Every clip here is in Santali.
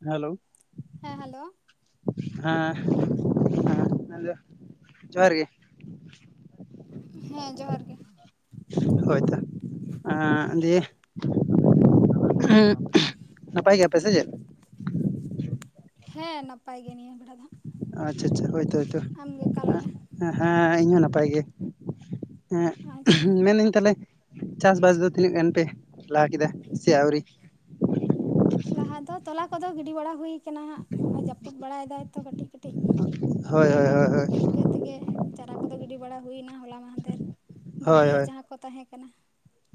ᱦᱮᱞᱳ ᱦᱮᱸ ᱦᱮᱞᱳ ᱦᱮᱸ ᱟᱫᱚ ᱡᱚᱦᱟᱨ ᱜᱮ᱾ ᱦᱮᱸ ᱡᱚᱦᱟᱨ ᱜᱮ ᱦᱳᱭ ᱛᱚ ᱫᱤᱭᱮ [unintelligible] ᱱᱟᱯᱟᱭ ᱜᱮᱭᱟᱯᱮ ᱥᱮ ᱪᱮᱫ? ᱦᱮᱸ ᱱᱟᱯᱟᱭ ᱜᱮ ᱱᱤᱭᱟᱹ ᱵᱮᱲᱟ ᱫᱚᱜ ᱟᱪᱷᱟ ᱟᱪᱷᱟ ᱦᱚᱭᱛᱚ ᱦᱚᱭᱛᱚ ᱚᱠᱟᱞᱮᱠᱟ ᱦᱮᱸ ᱤᱧ ᱦᱚᱸ ᱱᱟᱯᱟᱭ ᱜᱮ ᱟᱪᱪᱷᱟ ᱦᱮᱸ ᱢᱮᱱᱫᱟᱹᱧ ᱛᱟᱦᱚᱞᱮ ᱪᱟᱥᱵᱟᱥ ᱫᱚ ᱛᱤᱱᱟᱹᱜ ᱜᱟᱱ ᱯᱮ ᱞᱟᱦᱟ ᱠᱮᱫᱟ ᱥᱮ ᱟᱹᱣᱨᱤ ᱞᱟᱦᱟ ᱫᱚ ᱛᱚᱞᱟ ᱠᱚᱫᱚ ᱜᱤᱰᱤ ᱵᱟᱲᱟ ᱦᱩᱭ ᱟᱠᱟᱱᱟ ᱦᱟᱜ, ᱦᱚᱜᱼᱚᱭ ᱡᱟᱹᱯᱩᱫ ᱵᱟᱲᱟᱭ ᱫᱟᱭ ᱛᱚ ᱠᱟᱹᱴᱤᱡ ᱠᱟᱹᱴᱤᱡ᱾ ᱦᱚᱭ ᱦᱚᱭ ᱦᱚᱭ ᱤᱱᱠᱟᱹ ᱛᱮᱜᱮ, ᱪᱟᱨᱟ ᱠᱚᱫᱚ ᱜᱤᱰᱤ ᱵᱟᱲᱟ ᱦᱩᱭᱱᱟ ᱦᱚᱞᱟ ᱢᱟᱦᱟᱫᱮᱨ᱾ ᱦᱳᱭ ᱦᱳᱭ ᱵᱟᱹᱠᱤᱭᱟᱜ ᱦᱳᱭ ᱡᱟᱸᱦᱟ ᱠᱚ ᱛᱟᱸᱦᱮ ᱠᱟᱱᱟ᱾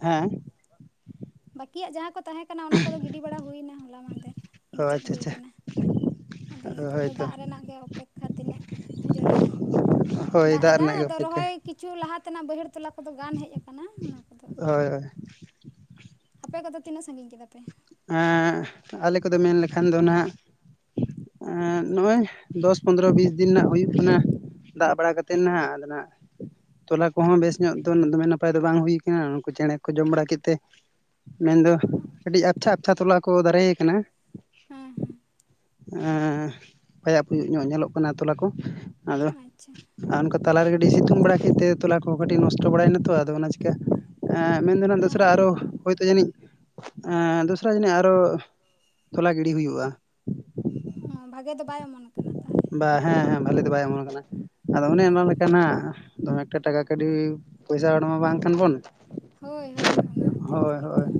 ᱦᱮᱸ ᱵᱟᱹᱠᱤᱭᱟᱜ ᱡᱟᱸᱦᱟ ᱠᱚ ᱛᱟᱸᱦᱮ ᱠᱟᱱᱟ ᱚᱱᱟ ᱠᱚᱫᱚ ᱜᱤᱰᱤ ᱵᱟᱲᱟ ᱦᱩᱭᱮᱱᱟ ᱦᱚᱞᱟ ᱢᱟᱦᱫᱮᱨ, ᱚ ᱢᱩᱪᱟᱹᱫ ᱟᱪᱪᱷᱟ ᱦᱩᱭ ᱟᱪᱪᱷᱟ, ᱠᱟᱱᱟ ᱟᱫᱚ ᱱᱤᱛᱚᱜ ᱫᱚ ᱦᱳᱭᱛᱚ ᱫᱟᱜ ᱨᱮᱱᱟᱜ ᱜᱮ ᱚᱯᱮᱠᱠᱷᱟ ᱛᱤᱱᱟᱹᱜ ᱡᱳᱨᱮ ᱦᱳᱭ ᱫᱟᱜ ᱮᱫᱟ ᱨᱮᱱᱟᱜ ᱜᱮ ᱟᱫᱚ ᱚᱯᱮᱠᱠᱷᱟ ᱨᱚᱦᱚᱭ ᱠᱤᱪᱷᱩ ᱞᱟᱦᱟ ᱛᱮᱱᱟᱜ ᱵᱟᱹᱭᱦᱟᱹᱲ ᱛᱚᱞᱟ ᱠᱚᱫᱚ ᱜᱟᱱ ᱦᱮᱡ ᱟᱠᱟᱱᱟ ᱚᱱᱟ ᱠᱚᱫᱚ, ᱦᱳᱭ ᱦᱳᱭ, ᱟᱯᱮ ᱠᱚᱫᱚ ᱛᱤᱱᱟᱹᱜ ᱥᱟᱺᱜᱤᱧ ᱠᱮᱫᱟᱯᱮ, ᱮᱸᱻ ᱟᱞᱮ ᱠᱚᱫᱚ ᱢᱮᱱ ᱞᱮᱠᱷᱟᱱ ᱫᱚ ᱱᱟᱜ, ᱱᱚᱜ-ᱚᱭ ᱫᱚᱥ ᱯᱚᱱᱨᱚ ᱵᱤᱥ ᱫᱤᱱ ᱱᱟᱜ ᱦᱩᱭᱩᱜ ᱠᱟᱱᱟ᱾ ᱫᱟᱜ ᱵᱟᱲᱟ ᱠᱟᱛᱮᱱ ᱦᱟᱜ ᱟᱫᱚ ᱱᱟᱜ, ᱛᱚᱞᱟ ᱠᱚᱦᱚᱸ ᱵᱮᱥ ᱧᱚᱜ ᱫᱚ ᱫᱚᱢᱮ ᱱᱟᱯᱟᱭ ᱫᱚ ᱵᱟᱝ ᱦᱩᱭ ᱠᱟᱱᱟ ᱩᱱᱠᱩ ᱪᱮᱬᱮ ᱠᱚ ᱡᱚᱢ ᱵᱟᱲᱟ ᱠᱮᱫ ᱛᱮ ᱢᱮᱱᱫᱚ ᱟᱹᱰᱤ ᱟᱪᱷᱟ ᱟᱪᱷᱟ ᱛᱚᱞᱟ ᱠᱚ ᱫᱟᱨᱮ ᱠᱟᱱᱟ ᱦᱮᱸ ᱦᱮᱸ ᱯᱟᱭᱟᱯ ᱧᱚᱜ ᱧᱮᱞᱚᱜ ᱠᱟᱱᱟ ᱴᱚᱞᱟ ᱠᱚ ᱟᱫᱚ ᱟᱪᱪᱷᱟ ᱟᱨ ᱚᱱᱠᱟ ᱛᱟᱞᱟᱨᱮ ᱠᱟᱹᱴᱤᱡ ᱥᱤᱛᱩᱝ ᱵᱟᱲᱟ ᱠᱮᱫ ᱛᱮ ᱛᱚᱞᱟ ᱠᱚ ᱠᱟᱹᱴᱤᱡ ᱱᱚᱥᱴᱚ ᱵᱟᱲᱟᱭᱮᱱᱟ ᱛᱚ ᱟᱫᱚ ᱚᱱᱟ ᱪᱤᱠᱟᱹ, ᱢᱮᱱ ᱫᱚ ᱱᱟᱜ ᱦᱮᱸ ᱫᱚᱥᱨᱟ ᱦᱮᱸ ᱟᱨᱦᱚ ᱦᱳᱭᱛᱳ ᱡᱟᱹᱱᱤᱡ, ᱫᱚᱥᱨᱟ ᱡᱟᱹᱱᱤᱡ ᱟᱨ ᱦᱚ ᱛᱚᱞᱟ ᱜᱤᱰᱤ ᱦᱩᱭᱩᱜᱼᱟ᱾ ᱚ ᱵᱷᱟᱜᱮ ᱫᱚ ᱵᱟᱭ ᱮᱢᱚᱱ ᱟᱠᱟᱱᱟ ᱛᱟᱸᱦᱚᱞᱮ, ᱵᱟ ᱦᱮᱸ ᱦᱮᱸ ᱵᱷᱟᱜᱤ ᱫᱚ ᱵᱟᱭ ᱚᱢᱚᱱ ᱟᱠᱟᱱᱟ ᱟᱫᱚ ᱚᱱᱮ ᱚ ᱚᱱᱟ ᱞᱮᱠᱟ ᱱᱟᱜ ᱫᱚᱢᱮ ᱮᱠᱴᱟ ᱴᱟᱠᱟ ᱠᱟᱹᱣᱰᱤ, ᱯᱚᱭᱥᱟ ᱦᱚᱲ ᱢᱟ ᱵᱟᱝ ᱠᱟᱱ ᱵᱚᱱ, ᱦᱳᱭ ᱦᱳᱭ ᱚᱱᱟ ᱦᱚᱛᱮᱫ ᱦᱳᱭ ᱛᱮᱜᱮ ᱛᱚ ᱦᱳᱭ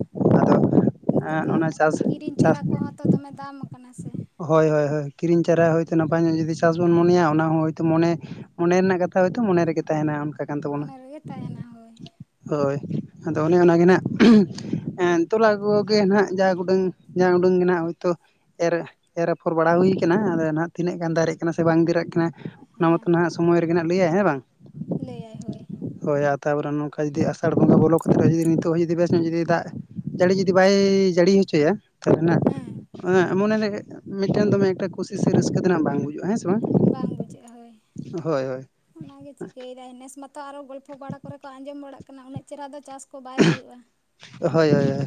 ᱱᱤᱛᱚᱜ ᱟᱫᱚ ᱮᱸ ᱫᱚ ᱚᱱᱟ ᱪᱟᱥ ᱠᱤᱨᱤᱧ ᱪᱟᱥ ᱪᱟᱨᱟ ᱠᱚᱦᱚ, ᱛᱚ ᱫᱚᱢᱮ ᱫᱟᱢ ᱟᱠᱟᱱᱟ ᱦᱮ ᱥᱮ, ᱦᱳᱭ ᱦᱳᱭ ᱦᱳᱭ ᱠᱤᱨᱤᱧ ᱪᱟᱨᱟ ᱦᱚᱭᱛᱳ ᱱᱟᱯᱟᱭ ᱧᱚᱜ ᱡᱩᱫᱤ ᱪᱟᱥᱵᱚᱱ ᱢᱚᱱᱮᱭᱟ ᱚᱱᱟ ᱦᱚᱸ ᱦᱳᱭᱛᱳ ᱢᱚᱱᱮ, ᱢᱚᱱᱮ ᱨᱮᱱᱟᱜ ᱠᱟᱛᱷᱟ ᱦᱳᱭᱛᱳ ᱢᱚᱱᱮ ᱨᱮᱜᱮ ᱛᱟᱸᱦᱮᱱᱟ ᱚᱱᱠᱟ ᱠᱟᱱ ᱛᱟᱵᱚᱱᱟ, ᱚᱱᱟ ᱨᱮᱜᱮ ᱛᱟᱦᱮᱱᱟ ᱦᱳᱭ ᱦᱳᱭ ᱟᱫᱚ ᱚᱱᱮ ᱚᱱᱟᱜᱮ ᱱᱟᱜ, ᱛᱚᱞᱟ ᱠᱚᱜᱮ ᱱᱟᱜ ᱡᱟ ᱩᱰᱟᱹᱝ ᱡᱟ ᱩᱰᱟᱹᱝ ᱜᱮ ᱱᱟᱜ ᱦᱳᱭᱛᱳ ᱮᱨ, ᱮᱨ ᱟᱯᱷᱚᱨ ᱵᱟᱲᱟ ᱦᱩᱭ ᱟᱠᱟᱱᱟ ᱟᱫᱚ ᱱᱟᱦᱟᱜ ᱛᱤᱱᱟᱹᱜ ᱜᱟᱱ ᱫᱟᱨᱮᱜ ᱠᱟᱱᱟ ᱥᱮ ᱵᱟᱝ ᱫᱟᱨᱮᱜ ᱠᱟᱱᱟ ᱚᱱᱟ ᱢᱟᱛᱚ, ᱦᱮᱸ ᱚᱱᱟ ᱦᱟᱜ ᱥᱚᱢᱚᱭ ᱨᱮᱜᱮ ᱱᱟᱜ ᱞᱟᱹᱭᱟᱭ ᱦᱮᱸ ᱵᱟᱝ, ᱞᱟᱹᱭᱟᱭ ᱦᱳᱭ, ᱦᱳᱭ ᱛᱟᱨᱯᱚᱨᱮ ᱱᱚᱝᱠᱟ ᱡᱩᱫᱤ ᱟᱥᱟᱲ ᱵᱚᱸᱜᱟ ᱵᱚᱞᱚ ᱠᱟᱛᱮᱫ ᱦᱚᱸ ᱡᱩᱫᱤ ᱱᱤᱛᱚᱜ ᱦᱚᱸ ᱡᱩᱫᱤ ᱵᱮᱥ ᱧᱚᱜ ᱡᱩᱫᱤ ᱫᱟᱜ, ᱡᱟᱹᱲᱤ ᱡᱩᱫᱤ ᱵᱟᱭ ᱡᱟᱹᱲᱤ ᱦᱚᱪᱚᱭᱟ, ᱨᱮᱱᱟᱜ ᱦᱮᱸ ᱢᱚᱱᱮᱨᱮ ᱢᱤᱫᱴᱮᱱ ᱫᱚᱢᱮ ᱮᱠᱴᱟ ᱠᱩᱥᱤ ᱥᱮ ᱨᱟᱹᱥᱠᱟᱹ ᱛᱮ ᱱᱟᱜ ᱵᱟᱝ ᱵᱩᱡᱚ-ᱟ ᱦᱮᱸ, ᱵᱟᱝ ᱵᱩᱡᱷᱟᱹᱜ-ᱟ ᱾ᱦᱳᱭ, ᱦᱳᱭ ᱦᱳᱭ ᱚᱱᱟᱜᱮ ᱪᱤᱠᱟᱹᱭᱮᱫᱟ ᱱᱮᱥ ᱢᱟᱛᱚ ᱟᱨᱚ ᱜᱚᱞᱯᱚ ᱵᱟᱲᱟ ᱠᱚᱨᱮ ᱠᱚ ᱟᱸᱡᱚᱢ ᱵᱟᱲᱟᱜ ᱠᱟᱱᱟ ᱩᱱᱟᱹᱜ ᱪᱮᱦᱨᱟ ᱫᱚ ᱪᱟᱥ, ᱠᱚ ᱵᱟᱭ ᱦᱩᱭᱩᱜ-ᱟ᱾ ᱦᱳᱭ ᱦᱳᱭ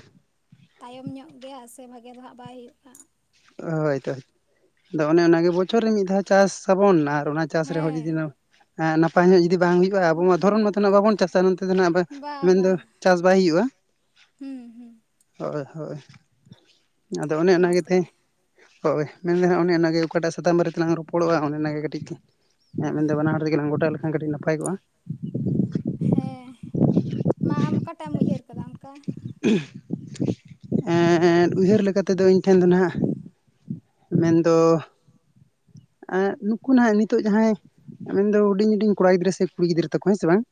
ᱛᱟᱭᱚᱢ ᱧᱚᱜ ᱜᱮᱭᱟ ᱥᱮ ᱵᱷᱟᱜᱮ ᱫᱚ ᱦᱟᱜ ᱵᱟᱭ ᱦᱩᱭᱩᱜ-ᱟ᱾ ᱦᱳᱭᱛᱚ ᱟᱫᱚ ᱚᱱᱮ ᱚᱱᱟᱜᱮ ᱵᱚᱪᱷᱚᱨ ᱨᱮ ᱢᱤᱫ ᱫᱷᱟᱣ ᱪᱟᱥ ᱟᱵᱚᱱ ᱟᱨ, ᱚᱱᱟ ᱪᱟᱥ ᱨᱮᱸᱦᱚ ᱦᱮᱸ ᱡᱩᱫᱤ ᱱᱟᱯᱟᱭ ᱧᱚᱜ ᱡᱩᱫᱤ ᱵᱟᱝ ᱦᱩᱭᱩᱜ-ᱟ᱾ ᱟᱵᱚ ᱱᱚᱣᱟ ᱵᱟᱝ ᱫᱷᱚᱨᱚᱱ ᱦᱩᱭᱩᱜᱼᱟ ᱢᱟᱛᱚ ᱱᱟᱜ ᱛᱟᱦᱚᱞᱮ ᱵᱟᱵᱚᱱ ᱪᱟᱥᱟ ᱱᱚᱛᱮ ᱫᱚ ᱱᱟᱜ ᱵᱟ ᱵᱟ ᱢᱮᱱᱫᱚ ᱪᱟᱥ ᱵᱟᱭ ᱦᱩᱭᱩᱜ-ᱟ᱾ ᱦᱩᱸ ᱦᱩᱸ, ᱦᱳᱭ ᱦᱳᱭ ᱟᱫᱚ ᱚᱱᱮ ᱚᱱᱟ ᱜᱮ ᱛᱮ, ᱦᱳᱭ ᱢᱮᱱ ᱮᱫᱟ ᱦᱟᱜ ᱚᱱᱮ ᱚᱱᱟᱜᱮ ᱚᱠᱟᱴᱟᱜ ᱥᱟᱛᱟᱢ ᱵᱟᱨᱮᱛᱮ ᱞᱟᱝ ᱨᱚᱯᱚᱲᱚᱜ-ᱟ᱾ ᱚᱱᱮ ᱚᱱᱟᱜᱮ ᱠᱟᱹᱴᱤᱡ, ᱤᱧᱟᱜ ᱢᱮᱱᱫᱚ ᱵᱟᱱᱟ ᱦᱚᱲ ᱛᱮᱜᱮᱞᱟᱝ ᱜᱚᱴᱟ ᱞᱮᱠᱷᱟᱱ ᱠᱟᱹᱴᱤᱡ ᱱᱟᱯᱟᱭ ᱠᱚᱜ-ᱟ᱾ ᱦᱮᱸ ᱢᱟ ᱟᱢ ᱚᱠᱟᱴᱟᱜ ᱮᱢ ᱩᱭᱦᱟᱹᱨ ᱟᱠᱟᱫᱟ ᱚᱱᱠᱟ, ᱮᱸᱻ ᱩᱭᱦᱟᱹᱨ ᱞᱮᱠᱟᱛᱮᱫᱚ ᱤᱧ ᱴᱷᱮᱱ ᱫᱚ ᱱᱟᱜ, ᱢᱮᱱ ᱫᱚ, ᱟᱨ ᱱᱩᱠᱩ ᱱᱟᱜ ᱱᱤᱛᱚᱜ ᱡᱟᱸᱦᱟᱭ ᱢᱮᱱᱫᱚ ᱦᱩᱰᱤᱧ ᱦᱩᱰᱤᱧ ᱠᱚᱲᱟ ᱜᱤᱫᱽᱨᱟᱹ ᱥᱮ ᱠᱩᱲᱤ ᱜᱤᱫᱽᱨᱟᱹ ᱛᱟᱠᱚ ᱦᱮᱸ ᱥᱮ ᱵᱟᱝ,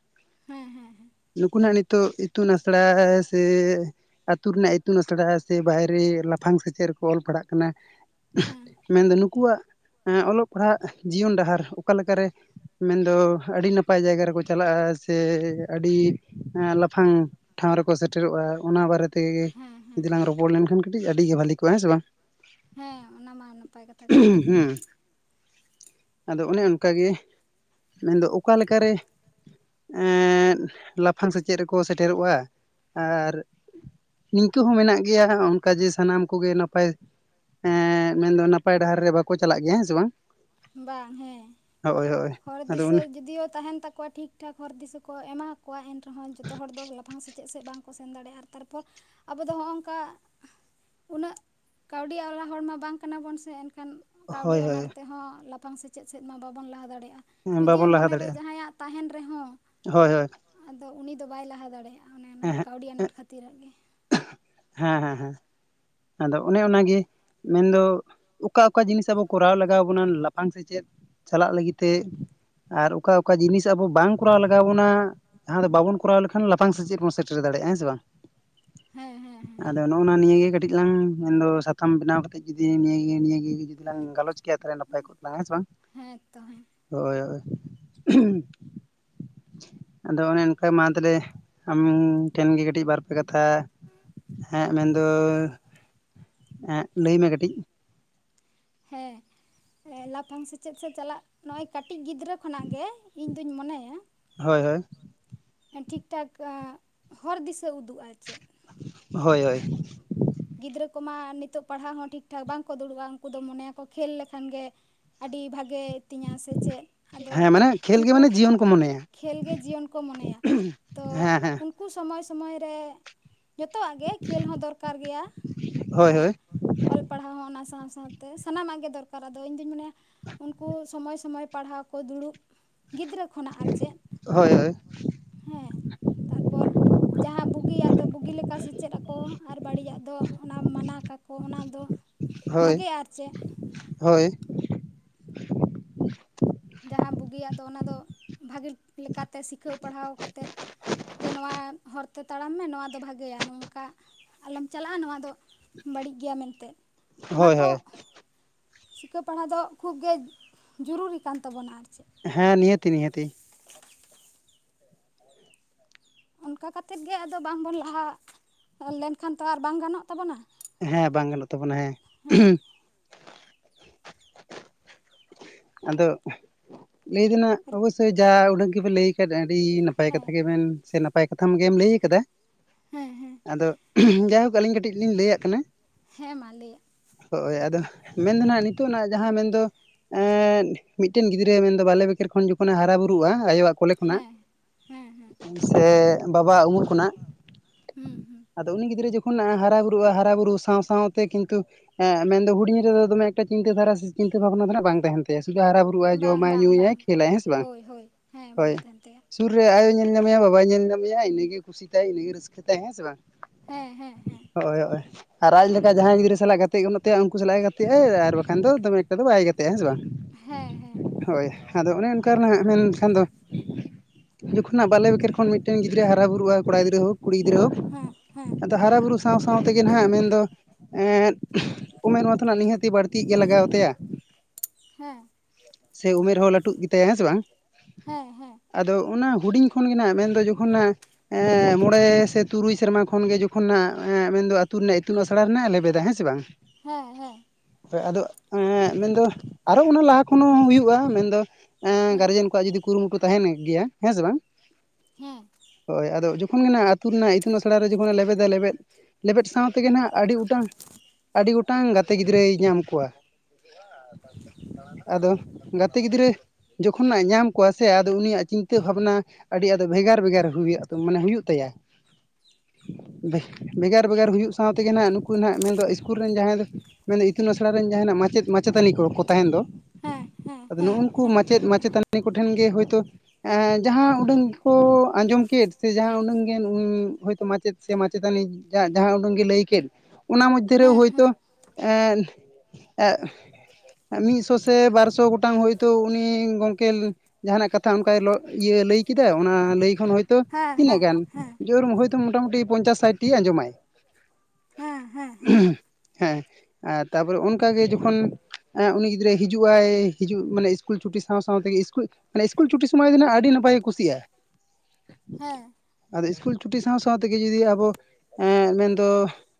ᱦᱮᱸ ᱦᱮᱸ ᱱᱩᱠᱩ ᱱᱟᱜ ᱱᱤᱛᱳᱜ ᱤᱛᱩᱱ ᱟᱥᱲᱟ ᱥᱮ, ᱟᱹᱛᱩ ᱨᱮᱱᱟᱜ ᱤᱛᱩᱱ ᱟᱥᱲᱟ ᱥᱮ ᱵᱟᱭᱨᱮ ᱞᱟᱯᱷᱟᱝ ᱥᱮᱪᱮᱫ ᱨᱮᱠᱚ ᱚᱞ ᱯᱟᱲᱦᱟᱜ ᱠᱟᱱᱟ᱾ ᱦᱮᱸ ᱢᱮᱱᱫᱚ ᱱᱩᱠᱩᱣᱟᱜ ᱚᱞᱚᱜ ᱯᱟᱲᱦᱟᱜ ᱡᱤᱭᱚᱱ ᱰᱟᱦᱟᱨ ᱚᱠᱟ ᱞᱮᱠᱟᱨᱮ, ᱢᱮᱱᱫᱚ ᱟᱹᱰᱤ ᱱᱟᱯᱟᱭ ᱡᱟᱭᱜᱟ ᱨᱮᱠᱚ ᱪᱟᱞᱟᱜᱼᱟ, ᱥᱮ ᱟᱹᱰᱤ ᱞᱟᱯᱷᱟᱝ ᱴᱷᱟᱶ ᱨᱮᱠᱚ ᱥᱮᱴᱮᱨᱚᱜᱼᱟ, ᱚᱱᱟ ᱵᱟᱨᱮ ᱛᱮᱜᱮ ᱦᱮᱸ ᱦᱮᱸ ᱡᱩᱫᱤ ᱞᱟᱝ ᱨᱚᱯᱚᱲ ᱞᱮᱱᱠᱷᱟᱱ ᱠᱟᱹᱴᱤᱡ ᱟᱹᱰᱤ ᱜᱮ ᱵᱷᱟᱹᱞᱤ ᱠᱚᱜᱼᱟ, ᱦᱮᱸ ᱥᱮ ᱵᱟᱝ ᱦᱮᱸ ᱚᱱᱟ ᱢᱟ ᱱᱟᱯᱟᱭ ᱠᱟᱛᱷᱟ ᱠᱟᱱ ᱜᱮᱭᱟ ᱾ ᱦᱩᱸ ᱟᱫᱚ ᱚᱱᱮ ᱚᱱᱠᱟᱜᱮ ᱢᱮᱱᱫᱚ ᱚᱠᱟ ᱞᱮᱠᱟᱨᱮ ᱮᱸᱫ ᱞᱟᱯᱷᱟᱝ ᱥᱮᱪᱮᱫ ᱨᱮᱠᱚ ᱥᱮᱴᱮᱨᱚᱜᱼᱟ ᱾ ᱟᱨ ᱱᱤᱝᱠᱟᱹ ᱦᱚᱸ ᱢᱮᱱᱟᱜ ᱜᱮᱭᱟ, ᱚᱱᱠᱟ ᱡᱮ ᱥᱟᱱᱟᱢ ᱠᱚᱜᱮ ᱱᱟᱯᱟᱭ ᱮᱸ ᱢᱮᱱᱫᱚ ᱱᱟᱯᱟᱭ ᱰᱟᱦᱟᱨ ᱨᱮ ᱵᱟᱠᱚ ᱪᱟᱞᱟᱜ ᱜᱮᱭᱟ ᱦᱮᱸ ᱥᱮ ᱵᱟᱝ ᱾ ᱵᱟᱝ ᱦᱮᱸ ᱦᱳᱭ ᱦᱳᱭ ᱦᱚᱨ ᱟᱫᱚ ᱫᱤᱥᱟᱹ ᱚᱱᱮ ᱡᱩᱫᱤᱭᱳ ᱛᱟᱦᱮᱱ ᱛᱟᱠᱚᱣᱟ ᱴᱷᱤᱠ ᱴᱷᱟᱠ ᱦᱚᱨ ᱫᱤᱥᱟᱹ ᱠᱚ ᱮᱢᱟ ᱠᱚᱣᱟ [unintelligible] ᱨᱮᱦᱚᱸ ᱡᱚᱛᱚ ᱦᱚᱲ ᱫᱚ ᱞᱟᱯᱷᱟᱝ ᱥᱮᱪᱮᱫ ᱥᱮᱫ ᱵᱟᱝᱠᱚ ᱥᱮᱱ ᱫᱟᱲᱮᱜᱼᱟ, ᱟᱨ ᱛᱟᱨᱯᱚᱨ ᱟᱵᱚ ᱫᱚ ᱦᱚᱜᱼᱚᱝᱠᱟ, ᱩᱱᱟᱹᱜ ᱠᱟᱹᱣᱰᱤ ᱟᱱ ᱦᱚᱲᱢᱟ ᱵᱟᱝ ᱠᱟᱱᱟ ᱵᱚᱱ ᱥᱮ ᱮᱱᱠᱷᱟᱱ, ᱠᱟᱹᱣᱰᱤ ᱦᱳᱭ ᱦᱳᱭ ᱟᱱᱟᱴ ᱛᱮᱸᱦᱚ ᱞᱟᱯᱷᱟᱝ ᱥᱮᱪᱮᱫ ᱥᱮᱫ ᱢᱟ ᱵᱟᱵᱚᱱ ᱞᱟᱦᱟ ᱫᱟᱲᱮᱭᱟᱜ-ᱟ᱾ ᱡᱩᱫᱤᱭᱳ ᱵᱟᱵᱚᱱ ᱞᱟᱦᱟ ᱢᱚᱱᱮᱨᱮ ᱫᱟᱲᱮᱭᱟᱜᱼᱟ ᱡᱟᱸᱦᱟᱭᱟᱜ, ᱛᱟᱸᱦᱮᱱ ᱨᱮᱸᱦᱚ, ᱦᱳᱭ ᱦᱳᱭ, ᱟᱫᱚ ᱩᱱᱤ ᱫᱚ ᱵᱟᱭ ᱞᱟᱦᱟ ᱫᱟᱲᱮᱭᱟᱜᱼᱟ, ᱚᱱᱮ ᱚᱱᱟ ᱦᱮᱸ ᱠᱟᱹᱣᱰᱤ ᱟᱱᱟᱴ ᱠᱷᱟᱹᱛᱤᱨᱟᱜ ᱜᱮ ᱾ ᱦᱮᱸ ᱦᱮᱸ ᱦᱮᱸ, ᱟᱫᱚ ᱚᱱᱮ ᱚᱱᱟᱜᱮ ᱢᱮᱱᱫᱚ, ᱚᱠᱟ ᱚᱠᱟ ᱡᱤᱱᱤᱥ ᱟᱵᱚ ᱠᱚᱨᱟᱣ ᱞᱟᱜᱟᱣ ᱵᱚᱱᱟ, ᱞᱟᱯᱷᱟᱝ ᱥᱮᱪᱮᱫ ᱪᱟᱞᱟᱜ ᱞᱟᱹᱜᱤᱫ ᱛᱮ, ᱟᱨ ᱚᱠᱟ ᱚᱠᱟ ᱡᱤᱱᱤᱥ ᱟᱵᱚ ᱵᱟᱝ ᱠᱚᱨᱟᱣ ᱞᱟᱜᱟᱣ ᱵᱚᱱᱟ ᱾ ᱡᱟᱦᱟᱸ ᱫᱚ ᱵᱟᱵᱚᱱ ᱠᱚᱨᱟᱣ ᱞᱮᱠᱷᱟᱱ ᱞᱟᱯᱷᱟᱝ ᱥᱮᱪᱮᱫ ᱵᱚᱱ ᱥᱮᱴᱮᱨ ᱫᱟᱲᱮᱭᱟᱜᱼᱟ ᱾ ᱦᱮᱸ ᱥᱮ ᱵᱟᱝ? ᱦᱮᱸ ᱦᱮᱸ ᱦᱮᱸ ᱟᱫᱚ ᱱᱚᱜ-ᱚᱱᱟ ᱱᱤᱭᱟᱹᱜᱮ ᱠᱟᱹᱴᱤᱡ ᱞᱟᱝ ᱢᱮᱱᱫᱚ ᱥᱟᱛᱟᱢ ᱵᱮᱱᱟᱣ ᱠᱟᱛᱮᱜ ᱡᱩᱫᱤ ᱱᱤᱭᱟᱹᱜᱮ ᱱᱤᱭᱟᱹᱜᱮ ᱡᱩᱫᱤᱞᱟᱝ ᱜᱟᱞᱚᱪ ᱠᱮᱭᱟ ᱛᱟᱦᱞᱮ ᱱᱟᱯᱟᱭ ᱠᱚᱜ ᱛᱟᱞᱟᱝᱟ ᱦᱮᱸ ᱥᱮ ᱵᱟᱝ, ᱦᱮᱸ ᱛᱚ ᱦᱮᱸ ᱦᱳᱭ ᱦᱳᱭ, ᱟᱫᱚ ᱚᱱᱮ ᱚᱱᱠᱟ ᱢᱟ ᱛᱟᱦᱚᱞᱮ ᱟᱢ ᱴᱷᱮᱱ ᱜᱮ ᱠᱟᱹᱴᱤᱡ ᱵᱟᱨᱯᱮ ᱠᱟᱛᱷᱟ, ᱦᱮᱸ ᱢᱮᱱ ᱫᱚ ᱮᱜ ᱞᱟᱹᱭ ᱢᱮ ᱠᱟᱹᱴᱤᱡ? ᱦᱮᱸ, ᱞᱟᱯᱷᱟᱝ ᱥᱮᱪᱮᱫ ᱥᱮ ᱪᱟᱞᱟᱜ ᱱᱚᱜᱼᱚᱭ ᱠᱟᱹᱴᱤᱡ ᱜᱤᱫᱽᱨᱟᱹ ᱠᱷᱚᱱᱟᱜ ᱜᱮ ᱾ ᱤᱧᱫᱩᱧ ᱢᱚᱱᱮᱭᱟ ᱾ ᱦᱳᱭ ᱦᱳᱭ, ᱴᱷᱤᱠ ᱴᱷᱟᱠ ᱦᱚᱨ ᱫᱤᱥᱟᱹ ᱩᱫᱩᱜᱼᱟᱭ ᱪᱮᱜ, ᱦᱳᱭ ᱦᱳᱭ, ᱜᱤᱫᱽᱨᱟᱹ ᱠᱚᱢᱟ ᱱᱤᱛᱚᱜ ᱯᱟᱲᱦᱟᱣ ᱦᱚᱸ ᱴᱷᱤᱠ ᱴᱷᱟᱠ ᱵᱟᱝᱠᱚ ᱫᱩᱲᱩᱵᱼᱟ, ᱩᱱᱠᱩ ᱫᱚ ᱢᱚᱱᱮᱭᱟᱠᱚ ᱠᱷᱮᱞ ᱞᱮᱠᱷᱟᱱ ᱜᱮ ᱟᱹᱰᱤ ᱵᱷᱟᱜᱮ ᱛᱤᱧᱟᱹᱜ ᱥᱮ ᱪᱮᱫ ᱟᱫᱚ ᱦᱮᱸ ᱢᱟᱱᱮ ᱠᱷᱮᱞ ᱜᱮ ᱩᱱᱠᱩ ᱢᱟᱱᱮ ᱡᱤᱭᱚᱱ ᱠᱚ ᱢᱚᱱᱮᱭᱟ ᱠᱷᱮᱞ ᱜᱮ ᱡᱤᱭᱚᱱ ᱠᱚ ᱢᱚᱱᱮᱭᱟ, ᱛᱚ ᱦᱮᱸ ᱦᱮᱸ ᱩᱱ ᱥᱩᱨ ᱥᱚᱢᱚᱭ ᱥᱚᱢᱚᱭ ᱨᱮ, ᱡᱚᱛᱚᱣᱟᱜ ᱜᱮ ᱠᱷᱮᱞ ᱦᱚᱸ ᱫᱚᱨᱠᱟᱨ ᱜᱮᱭᱟ ᱾ ᱦᱳᱭ ᱟᱨ ᱦᱳᱭ ᱚᱞ ᱯᱟᱲᱦᱟᱣ ᱦᱚᱸ ᱚᱱᱟ ᱥᱟᱶ ᱥᱟᱶᱛᱮ, ᱥᱟᱱᱟᱢᱟᱜ ᱜᱮ ᱫᱚᱨᱠᱟᱨ ᱟᱫᱚ ᱤᱧᱫᱩᱧ ᱢᱚᱱᱮᱭᱟ, ᱩᱱᱠᱩ ᱥᱚᱢᱚᱭ ᱥᱚᱢᱚᱭ ᱯᱟᱲᱦᱟᱣ ᱠᱚ ᱫᱩᱲᱩᱵ, ᱜᱤᱫᱽᱨᱟᱹ ᱠᱷᱚᱱᱟᱜ ᱟᱨ ᱪᱮᱫ ᱾ ᱦᱳᱭ ᱦᱳᱭ ᱦᱮᱸ ᱛᱟᱨᱯᱚᱨ ᱡᱟᱦᱟᱸ ᱵᱩᱜᱤᱭᱟᱜ ᱫᱚ ᱵᱩᱜᱤ ᱞᱮᱠᱟ ᱥᱮᱪᱮᱫ ᱟᱠᱚ, ᱟᱨ ᱵᱟᱹᱲᱤᱡᱟᱜ ᱫᱚ ᱚᱱᱟ ᱢᱟᱱᱟ ᱠᱟᱠᱚ ᱚᱱᱟ ᱫᱚ, ᱦᱳᱭ ᱵᱷᱟᱜᱮ ᱟᱨ ᱪᱮᱫ ᱦᱳᱭ ᱡᱟᱦᱟᱸ ᱵᱩᱜᱤᱭᱟᱜ ᱫᱚ ᱚᱱᱟ ᱫᱚ ᱵᱷᱟᱹᱜᱤ ᱞᱮᱠᱟᱛᱮ ᱥᱤᱠᱷᱟᱹᱣ ᱯᱟᱲᱦᱟᱣ ᱠᱟᱛᱮᱫ ᱡᱮ ᱱᱚᱣᱟ ᱦᱚᱨ ᱛᱮ ᱛᱟᱲᱟᱢ ᱢᱮ ᱱᱚᱣᱟ ᱫᱚ ᱵᱷᱟᱜᱮᱭᱟ ᱱᱚᱝᱠᱟ ᱟᱞᱚᱢ ᱪᱟᱞᱟᱜᱼᱟ ᱱᱚᱣᱟ ᱫᱚ ᱵᱟᱹᱲᱤᱡ ᱜᱮᱭᱟ ᱢᱮᱱᱛᱮ ᱚᱱᱟ ᱦᱳᱭ ᱠᱚ ᱦᱳᱭ ᱥᱤᱠᱟᱹ ᱯᱟᱲᱦᱟᱣ ᱫᱚ ᱠᱷᱩᱵᱽ ᱜᱮ ᱡᱩᱨᱩᱨᱤ ᱠᱟᱱ ᱛᱟᱵᱚᱱᱟ ᱟᱨ ᱪᱮᱫ ᱦᱮᱸ, ᱱᱤᱦᱟᱹᱛᱤ ᱱᱤᱦᱟᱹᱛᱤ, ᱚᱱᱠᱟ ᱠᱟᱛᱮᱫ ᱜᱮ ᱟᱫᱚ ᱵᱟᱝᱵᱚᱱ ᱞᱟᱦᱟ ᱞᱮᱱᱠᱷᱟᱱ ᱛᱚ ᱟᱨ ᱵᱟᱝ ᱜᱟᱱᱚᱜ ᱛᱟᱵᱚᱱᱟ ᱾ ᱦᱮᱸ ᱵᱟᱝ ᱜᱟᱱᱚᱜ ᱛᱟᱵᱚᱱᱟ ᱦᱮᱸ, ᱟᱫᱚ ᱞᱟᱹᱭ ᱫᱚᱱᱟᱜ ᱚᱵᱚᱥᱳᱭ ᱡᱟ ᱩᱰᱟᱹᱝ ᱜᱮᱯᱮ ᱞᱟᱹᱭ ᱠᱷᱟᱱ ᱟᱹᱰᱤ ᱱᱟᱯᱟᱭ ᱦᱮᱸ ᱠᱟᱛᱷᱟ ᱜᱮᱵᱮᱱ ᱥᱮ ᱱᱟᱯᱟᱭ ᱠᱟᱛᱷᱟᱢ ᱜᱮᱢ ᱞᱟᱹᱭ ᱠᱟᱫᱟ ᱾ ᱦᱮᱸ ᱦᱮᱸ, ᱟᱫᱚ ᱡᱟᱭᱦᱳᱜ ᱟᱹᱞᱤᱧ ᱠᱟᱹᱴᱤᱡ ᱞᱤᱧ ᱞᱟᱹᱭᱟᱜ ᱠᱤᱱᱟᱲᱹ ᱾ ᱦᱮᱸ ᱢᱟ ᱞᱟᱹᱭ ᱦᱳᱭ ᱟᱫᱚ, ᱢᱮᱱᱫᱚ ᱦᱟᱸᱜ ᱱᱤᱛᱚᱜᱱᱟᱜ ᱡᱟᱦᱟᱸ ᱢᱮᱱᱫᱚ ᱮᱸᱜ ᱢᱤᱫᱴᱮᱱ ᱜᱤᱫᱽᱨᱟᱹ ᱢᱮᱱᱫᱟ ᱵᱟᱞᱮ ᱵᱮᱠᱮᱨ ᱠᱷᱚᱱ ᱡᱩᱛ ᱡᱚᱠᱷᱚᱱᱮ ᱦᱟᱨᱟ ᱵᱩᱨᱩᱜ-ᱟ ᱟᱭᱳᱣᱟᱜ ᱠᱚᱞᱮ ᱠᱷᱚᱱᱟᱜ ᱦᱮᱸ ᱦᱮᱸ ᱦᱮᱸ ᱥᱮ ᱵᱟᱵᱟ ᱩᱢᱩᱞ ᱠᱷᱚᱱᱟᱜ ᱦᱩᱸ ᱦᱩᱸ ᱟᱫᱚ ᱩᱱᱤ ᱜᱤᱫᱽᱨᱟᱹ ᱡᱚᱠᱷᱚᱱ ᱚᱱᱟᱜ ᱦᱟᱨᱟ ᱵᱩᱨᱩᱜᱼᱟ ᱦᱟᱨᱟ ᱵᱩᱨᱩᱜ ᱥᱟᱶ ᱥᱟᱶᱛᱮ ᱠᱤᱱᱛᱩ ᱮᱸᱜ ᱢᱮᱱᱫᱚ ᱦᱩᱰᱤᱧ ᱨᱮᱫᱚ ᱫᱚᱢᱮ ᱪᱤᱱᱛᱟᱹ ᱫᱷᱟᱨᱟ ᱥᱮ ᱪᱤᱱᱛᱟᱹ ᱵᱷᱟᱵᱱᱟ ᱫᱷᱟᱨᱚᱱᱟᱜ ᱵᱟᱝ ᱛᱟᱦᱮᱱ ᱛᱟᱭᱟ ᱥᱩᱫᱩ ᱦᱟᱨᱟ ᱵᱩᱨᱩ ᱠᱩᱣᱟᱭ ᱵᱟᱝ ᱡᱚᱢᱟᱭ ᱵᱟᱝ ᱧᱩᱭᱟᱭ ᱵᱟᱝ ᱠᱷᱮᱞᱟᱭ ᱦᱮᱸ ᱥᱮ ᱵᱟᱝ ᱦᱳᱭ ᱦᱳᱭ ᱦᱮᱸ ᱵᱟᱝ ᱦᱳᱭ ᱛᱟᱦᱮᱱ ᱛᱟᱭᱟ ᱥᱩᱨ ᱨᱮ ᱟᱭᱳ ᱧᱮᱞ ᱧᱟᱢᱮᱭᱟ ᱵᱟᱵᱟᱭ ᱧᱮᱞ ᱧᱟᱢᱮᱭᱟ ᱤᱱᱟᱹᱜᱮ ᱠᱩᱥᱤ ᱛᱟᱭ ᱤᱱᱟᱹᱜᱮ ᱨᱟᱹᱥᱠᱟᱹ ᱛᱟᱭ ᱦᱮᱸ ᱥᱮ ᱵᱟᱝ ᱦᱮᱸ ᱦᱮᱸ ᱦᱮᱸ ᱦᱳᱭ ᱦᱳᱭ, ᱟᱨ ᱟᱡ ᱞᱮᱠᱟ ᱡᱟᱦᱟᱸᱭ ᱜᱤᱫᱽᱨᱟᱹ ᱥᱟᱞᱟᱜ ᱜᱟᱛᱮᱜ ᱜᱟᱱᱚᱜ ᱛᱟᱭᱟ ᱩᱱᱠᱩ ᱥᱟᱞᱟᱜ ᱮ ᱜᱟᱛᱮᱜ ᱟᱭ, ᱟᱨ ᱵᱟᱠᱷᱟᱱ ᱫᱚ ᱫᱚᱢᱮ ᱮᱠᱴᱟ ᱫᱚ ᱵᱟᱭ ᱦᱮᱸᱥᱮ ᱵᱟᱝ ᱦᱮᱸ ᱦᱮᱸ ᱦᱳᱭ ᱟᱫᱚ ᱚᱱᱮ ᱚᱱᱠᱟ ᱱᱟ ᱢᱮᱱᱠᱷᱟᱱ ᱫᱚ ᱡᱚᱠᱷᱚᱱᱟᱜ ᱵᱟᱞᱮ ᱵᱮᱠᱮᱨ ᱠᱷᱚᱱ ᱢᱤᱫᱴᱮᱱ ᱜᱤᱫᱽᱨᱟᱹ ᱦᱟᱨᱟ ᱵᱩᱨᱩᱜ-ᱟᱭ ᱠᱚᱲᱟ ᱜᱤᱫᱽᱨᱟᱹ ᱦᱳᱠ ᱠᱩᱲᱤ ᱜᱤᱫᱽᱨᱟᱹ ᱦᱳᱠ ᱦᱮᱸ ᱦᱮᱸ ᱟᱫᱚ ᱦᱟᱨᱟ ᱵᱩᱨᱩᱜ ᱥᱟᱶ ᱥᱟᱶ ᱛᱮᱜᱮ ᱱᱟᱦᱟᱸᱜ ᱢᱮᱱᱫᱚ ᱮᱸᱜ ᱩᱢᱮᱨ ᱢᱟᱛᱚ ᱱᱟᱜ ᱱᱤᱦᱟᱹᱛᱤ ᱵᱟᱹᱲᱛᱤ ᱜᱮ ᱞᱟᱜᱟᱣ ᱟᱛᱟᱭᱟ ᱦᱮᱸ ᱥᱮ ᱩᱢᱮᱨ ᱦᱚᱸ ᱞᱟᱹᱴᱩᱜ ᱜᱮᱛᱟᱭᱟ ᱦᱮᱸ ᱥᱮ ᱵᱟᱝ ᱦᱮᱸ ᱦᱮᱸ ᱟᱫᱚ ᱚᱱᱟ ᱦᱩᱰᱤᱧ ᱠᱷᱚᱱ ᱜᱮᱱᱟᱜ ᱢᱮᱱᱫᱚ ᱡᱚᱠᱷᱚᱱ ᱦᱟᱸᱜ ᱮᱸᱜ ᱢᱚᱬᱮ ᱥᱮ ᱛᱩᱨᱩᱭ ᱥᱮᱨᱢᱟ ᱠᱷᱚᱱᱜᱮ ᱡᱚᱠᱷᱚᱱ ᱢᱮᱱᱫᱚ ᱟᱹᱛᱩ ᱨᱮᱱᱟᱜ ᱤᱛᱩᱱ ᱟᱥᱲᱟ ᱟᱥᱲᱟ ᱨᱮᱱᱟᱜ ᱞᱮᱵᱮᱫᱟ ᱦᱮᱸ ᱥᱮ ᱵᱟᱝ ᱦᱮᱸ ᱦᱮᱸ ᱦᱳᱭ ᱟᱫᱚ ᱦᱮᱸ ᱦᱮᱸᱜ ᱢᱮᱱᱫᱚ ᱟᱨᱚ ᱚᱱᱟ ᱞᱟᱦᱟ ᱠᱷᱚᱱ ᱦᱚᱸ ᱦᱩᱭᱩᱜ-ᱟ ᱢᱮᱱᱫᱚ ᱦᱮᱸ ᱦᱮᱸ ᱮᱸ ᱦᱮᱸ ᱜᱟᱨᱡᱮᱱ ᱠᱚᱣᱟᱜ ᱡᱩᱫᱤ ᱠᱩᱨᱩᱢᱩᱴᱩ ᱛᱟᱦᱮᱸᱱ ᱜᱮᱭᱟ ᱦᱮᱸ ᱥᱮ ᱵᱟᱝ ᱦᱮᱸ ᱦᱳᱭ ᱟᱫᱚ ᱡᱚᱠᱷᱚᱱ ᱜᱮᱱᱟᱜ ᱟᱹᱛᱩ ᱨᱮᱱᱟᱜ ᱤᱛᱩᱱ ᱟᱥᱲᱟ ᱨᱮ ᱡᱚᱠᱷᱚᱱ ᱞᱮᱵᱮᱫᱟᱭ ᱞᱮᱵᱮᱫ ᱞᱮᱵᱮᱫ ᱥᱟᱶ ᱛᱮᱜᱮ ᱱᱟᱦᱟᱜ ᱟᱹᱰᱤ ᱜᱚᱴᱟᱝ ᱟᱹᱰᱤ ᱜᱚᱴᱟᱝ ᱜᱟᱛᱮ ᱜᱤᱫᱽᱨᱟᱹᱭ ᱧᱟᱢ ᱠᱚᱣᱟ ᱟᱫᱚ ᱜᱟᱛᱮ ᱜᱤᱫᱽᱨᱟᱹ ᱡᱚᱠᱷᱚᱱᱟᱜ ᱧᱟᱢ ᱠᱚᱣᱟ ᱥᱮ ᱟᱫᱚ ᱩᱱᱤᱭᱟᱜ ᱪᱤᱱᱛᱟᱹ ᱵᱷᱟᱵᱽᱱᱟ ᱟᱹᱰᱤ ᱟᱫᱚ ᱵᱷᱮᱜᱟᱨ ᱵᱷᱮᱜᱟᱨ ᱦᱩᱭᱩᱜ-ᱟ ᱢᱟᱱᱮ ᱦᱩᱭᱩᱜ ᱛᱟᱭᱟ ᱵᱷᱮᱜᱟᱨ ᱵᱷᱮᱜᱟᱨ ᱦᱩᱭᱩᱜ ᱥᱟᱶ ᱛᱮᱜᱮ ᱦᱟᱸᱜ ᱱᱩᱠᱩ ᱱᱟᱸᱜ ᱢᱮᱱᱫᱚ ᱤᱥᱠᱩᱞ ᱨᱮᱱ ᱡᱟᱦᱟᱸᱭ ᱫᱚ ᱢᱮᱱᱫᱟ ᱤᱛᱩᱱ ᱟᱥᱲᱟ ᱨᱮᱱ ᱡᱟᱦᱟᱸᱱᱟᱜ ᱢᱟᱪᱮᱫ ᱢᱟᱪᱮᱛᱟᱹᱱᱤ ᱠᱚᱠᱚ ᱛᱟᱦᱮᱸᱱ ᱫᱚ ᱦᱮᱸ ᱟᱫᱚ ᱦᱮᱸ ᱱᱩᱱᱠᱩ ᱢᱟᱪᱮᱫ ᱢᱟᱪᱮᱛᱟᱹᱱᱤ ᱠᱚᱴᱷᱮᱱ ᱜᱮ ᱦᱳᱭᱛᱳ ᱮᱸ ᱡᱟᱦᱟᱸ ᱩᱰᱟᱹᱝ ᱜᱮ ᱠᱚ ᱟᱸᱡᱚᱢ ᱠᱮᱫ ᱥᱮ ᱡᱟᱦᱟᱸ ᱩᱰᱟᱹᱝ ᱜᱮ ᱱᱩᱭ ᱦᱳᱭᱛᱳ ᱢᱟᱪᱮᱫ ᱥᱮ ᱢᱟᱪᱮᱛᱟᱹᱱᱤ ᱡᱟᱦᱟᱸ ᱩᱰᱟᱹᱝ ᱜᱮ ᱞᱟᱹᱭ ᱠᱮᱫ ᱚᱱᱟ ᱢᱚᱫᱽᱫᱷᱮᱨᱮ ᱦᱳᱭᱛᱳ ᱢᱤᱫᱥᱚ ᱥᱮ ᱵᱟᱨ ᱥᱚ ᱜᱚᱴᱟᱝ ᱦᱳᱭᱛᱳ ᱩᱱᱤ ᱜᱚᱢᱠᱮ ᱡᱟᱦᱟᱱᱟᱜ ᱠᱟᱛᱷᱟ ᱚᱱᱠᱟᱭ ᱞᱚᱜ ᱤᱭᱟᱹ ᱞᱟᱹᱭ ᱠᱮᱫᱟᱭ ᱚᱱᱟ ᱞᱟᱹᱭ ᱠᱷᱚᱱ ᱦᱚᱭᱛᱳ ᱛᱤᱱᱟᱹᱜ ᱜᱟᱱ ᱡᱳᱨ ᱦᱚᱭᱛᱳ ᱢᱚᱴᱟᱢᱩᱴᱤ ᱯᱚᱧᱪᱟᱥ ᱥᱟᱴᱴᱤ ᱟᱸᱡᱚᱢᱟᱭ ᱦᱮᱸ ᱦᱮᱸ ᱦᱮᱸ ᱦᱮᱸ ᱟᱨ ᱛᱟᱨᱯᱚᱨᱮ ᱚᱱᱠᱟ ᱜᱮ ᱡᱚᱠᱷᱚᱱ ᱮᱸᱜ ᱩᱱᱤ ᱜᱤᱫᱽᱨᱟᱹᱭ ᱦᱤᱡᱩᱜ-ᱟᱭ ᱦᱤᱡᱩᱜ ᱢᱟᱱᱮ ᱤᱥᱠᱩᱞ ᱪᱷᱩᱴᱤ ᱥᱟᱶ ᱥᱟᱶᱛᱮ ᱤᱥᱠᱩᱞ ᱢᱟᱱᱮ ᱤᱥᱠᱩᱞ ᱪᱷᱩᱴᱤ ᱥᱚᱢᱚᱭ ᱫᱚ ᱦᱟᱸᱜ ᱟᱹᱰᱤ ᱱᱟᱯᱟᱭ ᱜᱮ ᱠᱩᱥᱤᱜ-ᱟᱭ ᱦᱮᱸ ᱟᱫᱚ ᱤᱥᱠᱩᱞ ᱪᱷᱩᱴᱤ ᱥᱟᱶ ᱥᱟᱶ ᱛᱮᱜᱮ ᱡᱩᱫᱤ ᱟᱵᱚ ᱮᱸᱜ ᱢᱮᱱᱫᱚ,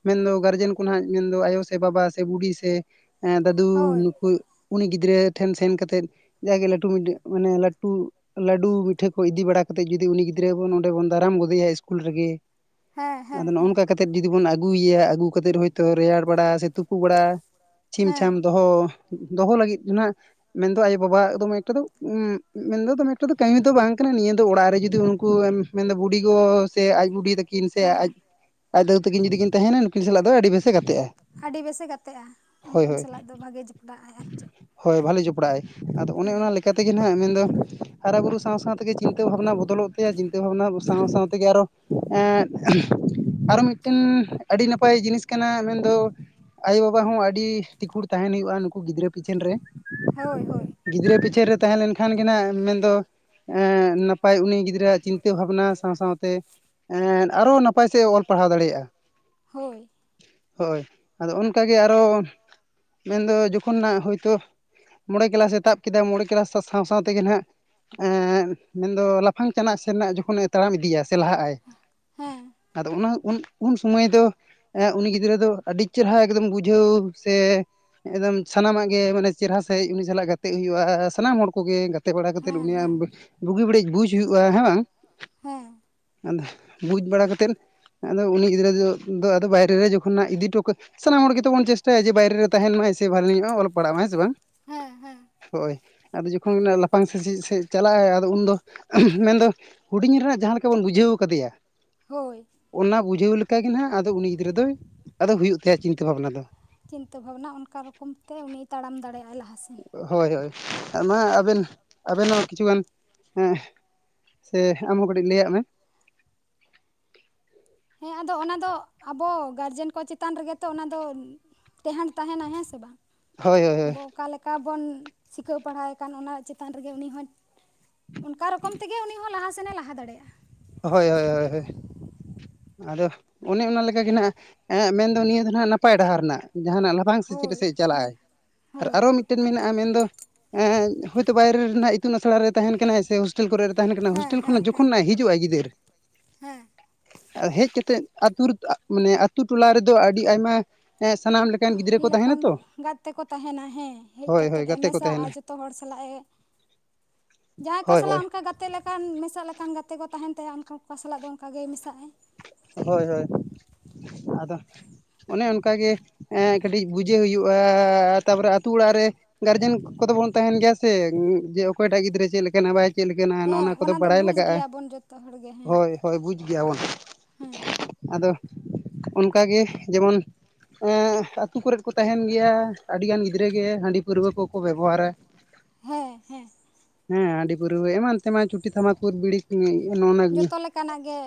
ᱢᱮᱱᱫᱚ ᱜᱟᱨᱡᱮᱱ ᱠᱚᱱᱟᱜ ᱢᱮᱱᱫᱚ ᱟᱭᱳ ᱥᱮ ᱵᱟᱵᱟ ᱥᱮ ᱵᱩᱰᱤ ᱥᱮ ᱮᱸᱜ ᱫᱟᱫᱩ ᱦᱳᱭ ᱱᱩᱠᱩ ᱩᱱᱤ ᱜᱤᱫᱽᱨᱟᱹ ᱴᱷᱮᱱ ᱥᱮᱱ ᱠᱟᱛᱮᱫ ᱡᱟᱜᱮ ᱞᱟᱹᱴᱩ ᱢᱤᱰᱮ ᱢᱟᱱᱮ ᱞᱟᱹᱴᱩ ᱞᱟᱹᱰᱩ ᱢᱤᱴᱷᱟᱹ ᱠᱚ ᱤᱫᱤ ᱵᱟᱲᱟ ᱠᱟᱛᱮᱫ ᱡᱩᱫᱤ ᱩᱱᱤ ᱜᱤᱫᱽᱨᱟᱹ ᱵᱚᱱ ᱚᱸᱰᱮ ᱵᱚᱱ ᱫᱟᱨᱟᱢ ᱜᱚᱫᱮᱭᱟ ᱤᱥᱠᱩᱞ ᱨᱮᱜᱮ ᱦᱮᱸ ᱟᱫᱚ ᱦᱮᱸ ᱦᱮᱸ ᱱᱚᱜ-ᱱᱚᱝᱠᱟ ᱠᱟᱛᱮᱫ ᱡᱩᱫᱤ ᱵᱚᱱ ᱟᱹᱜᱩᱭᱮᱭᱟ ᱟᱹᱜᱩ ᱠᱟᱛᱮᱫ ᱦᱚᱳᱭ ᱛᱳ ᱨᱮᱭᱟᱲ ᱵᱟᱲᱟ ᱥᱮ ᱛᱩᱯᱩ ᱵᱟᱲᱟ ᱪᱷᱤᱢ ᱪᱷᱟᱢ ᱦᱮᱸ ᱫᱚᱦᱚ ᱫᱚᱦᱚ ᱞᱟᱹᱜᱤᱫ ᱫᱚ ᱦᱟᱸᱜ ᱢᱮᱱ ᱫᱚ ᱟᱭᱳ ᱵᱟᱵᱟᱜ ᱫᱚᱢᱮ ᱮᱠᱴᱟ ᱫᱚ ᱢᱮᱱᱫᱚ ᱫᱚᱢᱮ ᱮᱠᱴᱟ ᱫᱚ ᱠᱟᱹᱢᱤ ᱫᱚ ᱵᱟᱝ ᱠᱟᱱᱟ ᱱᱤᱭᱟᱹ ᱫᱚ ᱚᱲᱟᱜ ᱨᱮ ᱡᱩᱫᱤ ᱩᱱᱠᱩ ᱢᱮᱱᱫᱟ ᱵᱩᱰᱤ ᱜᱚ ᱥᱮ ᱟᱡ ᱵᱩᱰᱷᱤ ᱛᱟᱹᱠᱤᱱ ᱥᱮ ᱟᱡ ᱦᱮᱸ ᱟᱡ ᱫᱟᱫᱩ ᱛᱟᱹᱠᱤᱱ ᱡᱩᱫᱤ ᱠᱤᱱ ᱛᱟᱦᱮᱱᱟ ᱱᱩᱠᱤᱱ ᱥᱟᱞᱟᱜ ᱫᱚ ᱟᱹᱰᱤ ᱵᱮᱥᱮ ᱜᱟᱛᱮᱜᱼᱟ ᱾ ᱟᱹᱰᱤ ᱵᱮᱥᱮ ᱜᱟᱛᱮᱜᱼᱟ ᱩᱱᱠᱤᱱ ᱥᱟᱞᱟᱜ ᱫᱚ ᱵᱷᱟᱜᱮ ᱡᱚᱯᱲᱟᱜᱼ ᱟᱭ ᱟᱨ ᱪᱮᱫ ᱦᱳᱭ ᱵᱷᱟᱞᱮ ᱡᱚᱯᱲᱟᱜ ᱟᱭ ᱟᱫᱚ ᱚᱱᱮ ᱦᱮᱸ ᱚᱱᱟ ᱞᱮᱠᱟ ᱛᱮᱜᱮ ᱱᱟᱦᱟᱸᱜ ᱢᱮᱱᱫᱚ ᱦᱟᱨᱟ ᱵᱩᱨᱩ ᱥᱟᱶ ᱥᱟᱶ ᱛᱮᱜᱮ ᱪᱤᱱᱛᱟᱹ ᱵᱷᱟᱵᱽᱱᱟ ᱵᱚᱫᱚᱞᱚᱜ ᱛᱮᱭᱟᱜ ᱪᱤᱱᱛᱟᱹ ᱵᱷᱟᱵᱱᱟ ᱥᱟᱶ ᱥᱟᱶ ᱛᱮᱜᱮ ᱮᱸᱫ ᱟᱨᱚ ᱟᱨᱚ ᱢᱤᱫ ᱴᱮᱱ ᱟᱹᱰᱤ ᱱᱟᱯᱟᱭ ᱡᱤᱱᱤᱥ ᱠᱟᱱᱟ ᱢᱮᱱᱫᱚ ᱟᱭᱳᱼᱵᱟᱵᱟ ᱦᱚᱸ ᱟᱹᱰᱤ ᱛᱤᱠᱷᱩᱲ ᱛᱟᱦᱮᱱ ᱦᱩᱭᱩᱜᱼᱟ ᱱᱩᱠᱩ ᱩᱱᱠᱩ ᱜᱤᱫᱽᱨᱟᱹ ᱯᱤᱪᱷᱚᱱ ᱨᱮ ᱾ ᱦᱳᱭ ᱦᱳᱭ ᱜᱤᱫᱽᱨᱟᱹ ᱯᱤᱪᱷᱟᱹ ᱨᱮ ᱛᱟᱦᱮᱸ ᱞᱮᱱᱠᱷᱟᱱ ᱜᱮ ᱟᱸᱜ ᱢᱮᱱᱫᱚ ᱮᱸ ᱱᱟᱯᱟᱭ ᱩᱱᱤ ᱜᱤᱫᱽᱨᱟᱹᱣᱟᱜ ᱪᱤᱱᱛᱟᱹ ᱵᱷᱱᱟ ᱵᱷᱟᱵᱽᱱᱟ ᱥᱟᱶ ᱥᱟᱶ ᱛᱮ, ᱮᱸ ᱟᱨᱦᱚ ᱱᱟᱯᱟᱭ ᱥᱮᱫ ᱮ ᱚᱞ ᱯᱟᱲᱦᱟᱣ ᱫᱟᱲᱮᱭᱟᱜᱼᱟ᱾ ᱦᱳᱭ ᱦᱳᱭ ᱟᱫᱚ ᱚᱱᱠᱟᱜᱮ ᱟᱨᱚ ᱢᱮᱱᱫᱚ ᱡᱚᱠᱷᱚᱱ ᱱᱟᱦᱜ ᱦᱳᱭᱛᱳ ᱢᱚᱬᱮ ᱠᱞᱟᱥ-ᱮ ᱛᱟᱵ ᱠᱮᱫᱟ ᱢᱚᱬᱮ ᱠᱮᱞᱟᱥ ᱥᱟᱶ ᱥᱟᱶ ᱛᱮᱜᱮ ᱱᱟᱦᱟᱜ ᱢᱮᱱᱫᱚ ᱞᱟᱯᱷᱟᱝ ᱪᱟᱱᱟ ᱥᱮᱱᱟᱜ ᱡᱚᱠᱷᱚᱱᱮ ᱛᱟᱲᱟᱢ ᱤᱫᱤᱭᱟ ᱥᱮ ᱞᱟᱦᱟᱜᱼᱟᱭ ᱦᱮᱸ ᱟᱫᱚ ᱚᱱᱟ ᱩᱱ ᱥᱚᱢᱚᱭ ᱫᱚ ᱩᱱᱤ ᱜᱤᱫᱽᱨᱟᱹ ᱫᱚ ᱟᱹᱰᱤ ᱪᱮᱨᱦᱟ ᱮᱠᱫᱚᱢ ᱵᱩᱡᱷᱟᱹᱣ ᱥᱮ ᱮᱠᱫᱚᱢ ᱥᱟᱱᱟᱢᱟᱜ ᱜᱮ ᱢᱟᱱᱮ ᱪᱮᱨᱦᱟ ᱥᱟᱹᱦᱤᱡ ᱩᱱᱤ ᱥᱟᱞᱟᱜ ᱜᱟᱛᱮᱜ ᱦᱩᱭᱩᱜᱼᱟ ᱥᱟᱱᱟᱢ ᱦᱚᱲ ᱠᱚᱜᱮ ᱜᱟᱛᱮ ᱵᱟᱲᱟ ᱠᱟᱛᱮᱫ ᱦᱮᱸ ᱩᱱᱤ ᱟᱢ ᱦᱮᱸ ᱵᱩᱜᱤ ᱵᱟᱹᱲᱤᱡ ᱵᱩᱡᱽ ᱦᱩᱭᱩᱜᱼᱟ ᱦᱮᱸ ᱵᱟᱝ ᱦᱮᱸ ᱟᱫᱚ ᱵᱩᱡᱽ ᱵᱟᱲᱟ ᱠᱟᱛᱮᱫ ᱟᱫᱚ ᱩᱱᱤ ᱜᱤᱫᱽᱨᱟᱹ ᱫᱚ ᱟᱫᱚ ᱵᱟᱭᱨᱮ ᱨᱮ ᱡᱚᱠᱷᱚᱱ ᱱᱟᱦᱟᱸᱜ ᱤᱫᱤ ᱦᱚᱴᱚ ᱠᱟᱜ ᱥᱟᱱᱟᱢ ᱦᱚᱲ ᱜᱮ ᱛᱚ ᱵᱚᱱ ᱪᱮᱥᱴᱟᱭᱟ ᱡᱮ ᱵᱟᱭᱨᱮ ᱨᱮ ᱛᱟᱦᱮᱱ ᱢᱟᱭ ᱥᱮ ᱵᱷᱟᱹᱞᱤ ᱧᱚᱜᱼᱟ ᱚᱞᱚᱜ ᱯᱟᱲᱦᱟᱜ ᱢᱟᱭ ᱦᱮᱸ ᱥᱮ ᱵᱟᱝ ᱦᱮᱸ ᱦᱮᱸ ᱦᱳᱭ, ᱟᱫᱚ ᱡᱚᱠᱷᱚᱱ ᱢᱟᱱᱮ ᱞᱟᱯᱷᱟᱝ ᱥᱮ ᱥᱮᱪᱮᱫ ᱥᱮᱫ ᱪᱟᱞᱟᱜᱼᱟᱭ ᱟᱫᱚ ᱩᱱᱫᱚ [unintelligible] ᱢᱮᱱᱫᱚ ᱦᱩᱰᱤᱧ ᱨᱮ ᱱᱟᱜ ᱡᱟᱦᱟᱸ ᱞᱮᱠᱟ ᱵᱚᱱ ᱵᱩᱡᱷᱟᱹᱣ ᱠᱟᱫᱮᱭᱟ ᱦᱳᱭ ᱾ ᱚᱱᱟ ᱵᱩᱡᱷᱟᱹᱣ ᱞᱮᱠᱟᱜ ᱜᱮ ᱱᱟᱦᱜ ᱟᱫᱚ ᱩᱱᱤ ᱜᱤᱫᱽᱨᱟᱹ ᱫᱚᱭ ᱟᱫᱚ ᱦᱩᱭᱩᱜ ᱛᱟᱭᱟ ᱪᱤᱱᱛᱟᱹ ᱵᱷᱟᱵᱱᱟ ᱫᱚ ᱾ ᱪᱤᱱᱛᱟᱹ ᱵᱷᱟᱵᱽᱱᱟ ᱚᱱᱠᱟ ᱨᱚᱠᱚᱢ ᱛᱮ ᱩᱱᱤ ᱛᱟᱲᱟᱢ ᱫᱟᱲᱮᱭᱟᱜᱼᱟᱭ ᱞᱟᱦᱟ ᱥᱮᱫ ᱦᱳᱭ ᱦᱳᱭ ᱢᱟ ᱟᱵᱮᱱ ᱟᱵᱮᱱ ᱦᱚᱸ ᱠᱤᱪᱷᱩᱜᱟᱱ ᱥᱮ ᱟᱢ ᱦᱚᱸ ᱠᱟᱹᱴᱤᱡ ᱞᱟᱹᱭᱟᱜ ᱢᱮ ᱦᱮᱸ ᱟᱫᱚ ᱚᱱᱟ ᱫᱚ ᱟᱵᱚ ᱜᱟᱨᱡᱮᱱ ᱠᱚ ᱪᱮᱛᱟᱱ ᱨᱮᱜᱮ ᱛᱚ ᱚᱱᱟᱫᱚ ᱴᱮᱦᱮᱸᱱ ᱛᱟᱦᱮᱱᱟ ᱦᱮᱸ ᱥᱮ ᱵᱟᱝ ᱦᱳᱭ ᱦᱳᱭ ᱦᱳᱭ ᱾ ᱚᱠᱟᱞᱮᱠᱟ ᱵᱚᱱ ᱥᱤᱠᱷᱟᱹᱣ ᱯᱟᱲᱦᱟᱣᱮ ᱠᱟᱱ ᱚᱱᱟ ᱪᱮᱛᱟᱱ ᱨᱮᱜᱮ ᱩᱱᱤ ᱦᱚᱸ ᱾ ᱚᱱᱠᱟ ᱨᱚᱠᱚᱢ ᱛᱮᱜᱮ ᱩᱱᱤ ᱦᱚᱸ ᱞᱟᱦᱟ ᱥᱮᱱᱮ ᱞᱟᱦᱟ ᱫᱟᱲᱮᱭᱟᱜᱼᱟ ᱾ ᱦᱳᱭ ᱦᱳᱭ ᱦᱳᱭ ᱦᱳᱭᱼᱼ ᱟᱫᱚ ᱚᱱᱮ ᱚᱱᱟ ᱞᱮᱠᱟᱜᱮ ᱱᱟᱜ ᱟᱭᱟᱜ ᱢᱮᱱ ᱫᱚ ᱱᱤᱭᱟᱹ ᱫᱚ ᱱᱟᱜ ᱱᱟᱯᱟᱭ ᱰᱟᱦᱟᱨ ᱱᱟᱜ ᱡᱟᱦᱟᱱᱟᱜ ᱞᱟᱦᱟ ᱵᱟᱝ ᱥᱮᱪᱮᱫ ᱦᱳᱭ ᱠᱟᱛᱮ ᱪᱟᱞᱟᱜ-ᱟᱭ ᱟᱨ ᱦᱳᱭ ᱟᱨᱚ ᱢᱤᱫᱴᱮᱱ ᱢᱮᱱᱟᱜᱼᱟ ᱢᱮᱱ ᱫᱚ ᱦᱳᱭᱛᱳ ᱵᱟᱭᱨᱮ ᱨᱮ ᱱᱟᱦᱟᱸᱜ ᱤᱛᱩᱱ ᱟᱥᱲᱟ ᱨᱮ ᱛᱟᱦᱮᱱ ᱠᱟᱱᱟᱭ ᱥᱮ ᱦᱳᱥᱴᱮᱞ ᱠᱚᱨᱮ ᱛᱟᱦᱮᱱ ᱠᱟᱱᱟᱭ ᱦᱮᱸ ᱦᱳᱥᱴᱮᱞ ᱦᱮᱸ ᱠᱷᱚ ᱦᱮᱸ ᱡᱚᱠᱷᱚᱱ ᱱᱟᱭ ᱦᱤᱡᱩ ᱜᱤᱫᱟᱹᱨ ᱦᱮᱸ ᱦᱮᱡ ᱠᱟᱛᱮᱫ ᱟᱹᱛᱩ ᱨᱮ ᱢᱟᱱᱮ ᱟᱛᱳ ᱴᱚᱞᱟ ᱨᱮᱫᱚ ᱟᱹᱰᱤ ᱟᱭᱢᱟ ᱮ ᱥᱟᱱᱟᱢ ᱞᱮᱠᱟᱱ ᱜᱤᱫᱽᱨᱟᱹ ᱠᱚ ᱛᱟᱦᱮᱱᱟ ᱛᱚ ᱜᱟᱛᱮᱠᱚ ᱛᱟᱦᱮᱱᱟ ᱦᱮᱸ, ᱦᱮᱡ ᱦᱳᱭ ᱦᱳᱭ ᱠᱟᱛᱮᱫ-ᱮ ᱜᱟᱛᱮ ᱠᱚ ᱢᱮᱥᱟ-ᱟ ᱛᱟᱦᱮᱱᱟ ᱡᱷᱚᱛᱚ ᱦᱚᱲ ᱥᱟᱞᱟᱜ-ᱮ ᱡᱟᱦᱟᱸᱭ ᱠᱚ ᱦᱳᱭ ᱦᱳᱭ ᱥᱟᱞᱟᱜ ᱚᱱᱠᱟ ᱜᱟᱛ ᱜᱟᱛᱮ ᱞᱮᱠᱟᱱ ᱢᱮᱥᱟᱜ ᱞᱮᱠᱟᱱ ᱜᱟᱛᱮ ᱠᱚ ᱛᱟᱦᱮᱱ ᱛᱟᱭᱟ ᱩᱱᱠᱟᱱ ᱠᱚ ᱥᱟᱞᱟᱜ ᱫᱚ ᱚᱱᱠᱟᱜᱮ ᱢᱮᱥᱟᱜᱼᱟᱭ ᱾ ᱦᱳᱭ ᱦᱳᱭ ᱟᱫᱚ ᱚᱱᱮ ᱚᱱᱠᱟᱜᱮ ᱮᱸ ᱠᱟᱹᱴᱤᱡᱽ ᱵᱩᱡᱷᱟᱹᱣ ᱦᱩᱭᱩᱜᱼᱟ ᱛᱟᱨᱯᱚᱨᱮ ᱟᱹᱛᱩ ᱚᱲᱟᱜ ᱨᱮ ᱜᱟᱨᱡᱮᱱ ᱠᱚᱫᱚ ᱵᱚᱱ ᱛᱟᱦᱮᱱ ᱜᱮᱭᱟ ᱥᱮ ᱡᱮ ᱚᱠᱚᱭᱴᱟᱜ ᱜᱤᱫᱽᱨᱟᱹ ᱪᱮᱫ ᱞᱮᱠᱟᱱᱟᱭ ᱵᱟᱭ ᱪᱮᱫ ᱞᱮᱠᱟᱱᱟ ᱦᱮᱸ ᱚᱱᱟ ᱠᱚᱫᱚ ᱫᱚ ᱵᱟᱲᱟᱭ ᱵᱩᱡᱽ ᱞᱟᱜᱟᱜᱼᱟ, ᱜᱮᱭᱟᱵᱚᱱ ᱡᱚᱛᱚ ᱦᱚᱲᱜᱮ ᱦᱮᱸ ᱦᱳᱭ ᱦᱳᱭ ᱵᱩᱡ ᱜᱮᱭᱟ ᱵᱚᱱ ᱦᱮᱸ ᱟᱫᱚ ᱚᱱᱠᱟ ᱜᱮ ᱡᱮᱢᱚᱱ ᱮᱸ ᱟᱛᱩ ᱠᱚᱨᱮᱫ ᱠᱚ ᱛᱟᱦᱮᱱ ᱜᱮᱭᱟ ᱟᱹᱰᱤᱜᱟᱱ ᱜᱤᱫᱽᱨᱟᱹ ᱜᱮ ᱦᱟᱺᱰᱤ ᱯᱟᱹᱨᱣᱟᱹ ᱠᱚᱠᱚ ᱵᱮᱵᱚᱦᱟᱨᱟ ᱦᱮᱸ ᱦᱮᱸ ᱦᱮᱸ ᱦᱟᱺᱰᱤ ᱯᱟᱹᱨᱭᱟᱹ ᱮᱢᱟᱱ ᱮᱱᱛᱮ ᱢᱟ ᱪᱩᱴᱤ ᱛᱷᱟᱢᱟᱠᱩᱨ ᱵᱤᱲᱤ ᱦᱩᱸ ᱱᱚᱱ ᱡᱚᱛᱚ ᱞᱮᱠᱟᱱᱟᱜ ᱜᱮ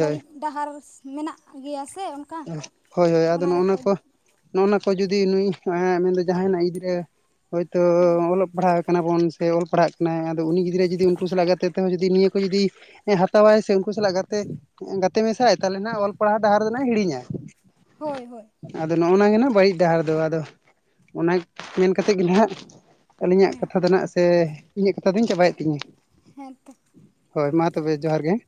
ᱵᱟᱹᱲᱤᱡᱽ ᱰᱟᱦᱟᱨ ᱢᱮᱱᱟᱜ ᱜᱮᱭᱟ ᱥᱮ ᱚᱱᱠᱟ ᱦᱳᱭ ᱦᱳᱭ ᱟᱫᱚ ᱱᱚᱜᱼ ᱚᱱᱟ ᱠᱚ ᱱᱚᱜᱼᱚ ᱱᱟ ᱠᱚ ᱡᱩᱫᱤ ᱱᱩᱭ ᱮᱸ ᱢᱮᱱᱫᱚ ᱡᱟᱦᱟᱭ [unintelligible] ᱦᱚᱭᱛᱳ ᱦᱮᱸ ᱚᱞᱚᱜ ᱯᱟᱲᱦᱟᱜ ᱠᱟᱱᱟ ᱵᱚᱱ ᱥᱮ ᱚᱞ ᱯᱟᱲᱦᱟᱜ ᱠᱟᱱᱟᱭ ᱟᱫᱚ ᱩᱱᱤ ᱜᱤᱫᱽᱨᱟᱹ ᱡᱩᱫᱤ ᱩᱱᱠᱩ ᱥᱟᱞᱟᱜ ᱜᱟᱛᱮ ᱛᱮᱦᱚᱸ ᱡᱩᱫᱤ ᱱᱤᱭᱟᱹ ᱠᱚ ᱡᱩᱫᱤ ᱦᱮᱸ ᱦᱟᱛᱟᱣᱟᱭ ᱥᱮ ᱩᱱᱠᱩ ᱥᱟᱞᱟᱜ ᱜᱟᱛᱮ ᱜᱟᱛᱮ ᱢᱮᱥᱟᱜ-ᱟᱭ ᱛᱟᱦᱚᱞᱮ ᱱᱟᱜ ᱚᱞ ᱯᱟᱲᱦᱟᱣ ᱰᱟᱦᱟᱨ ᱫᱚ ᱦᱤᱲᱤᱧᱟᱭ᱾ ᱦᱳᱭ ᱦᱳᱭ ᱾ ᱟᱫᱚ ᱱᱚᱜᱼᱚᱱᱟ ᱜᱮ ᱱᱟᱜ ᱵᱟᱹᱲᱤᱡ ᱰᱟᱦᱟᱨ ᱫᱚ ᱟᱫᱚ ᱚᱱᱟ ᱢᱮᱱ ᱠᱟᱛᱮᱫ ᱜᱮ ᱱᱟᱦᱟᱸᱜ ᱟᱹᱞᱤᱧᱟᱜ ᱦᱮᱸ ᱠᱟᱛᱷᱟ ᱫᱚ ᱱᱟᱦᱟᱸᱜ ᱥᱮ ᱤᱧᱟᱹᱜ ᱠᱟᱛᱷᱟ ᱫᱚᱧ ᱪᱟᱵᱟᱭᱮᱫ ᱛᱤᱧᱟᱹ ᱦᱮᱸᱛᱚ ᱾ ᱦᱳᱭ ᱢᱟ ᱛᱚᱵᱮ ᱡᱚᱦᱟᱨ ᱜᱮ ᱾